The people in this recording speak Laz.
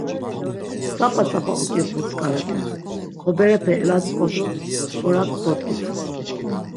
Tzap̌a tzap̌a oǩibğu tzǩarepe, ğoberepe elatzǩodu, orak dodgitu.